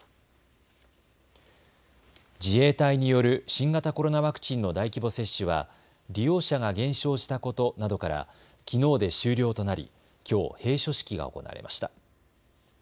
自衛隊による新型コロナワクチンの大規模接種は利用者が減少したことなどからきのうで終了となりきょう閉所式が行われました。